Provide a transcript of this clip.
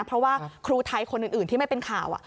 เพราะว่าครูไทยคนอื่นที่ไม่เป็นข่าว